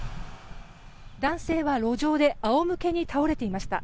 男性は路上で仰向けに倒れていました。